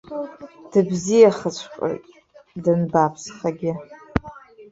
Дыбзиахаҵәҟьоит, данбааԥсхагьы.